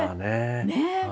ねえ！